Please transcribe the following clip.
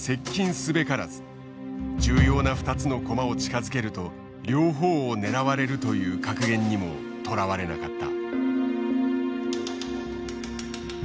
重要な２つの駒を近づけると両方を狙われるという格言にもとらわれなかった。